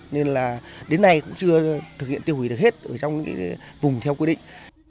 nên là đến nay cũng chưa thực hiện tiêu hủy được hết ở trong vùng theo quy định